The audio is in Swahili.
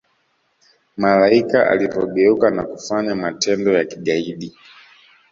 malaika alipogeuka na kufanya matendo ya kigaidi